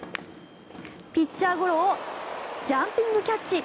ピッチャーゴロをジャンピングキャッチ。